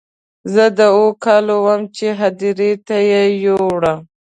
زه د اوو کالو وم چې هدیرې ته یې یووړ.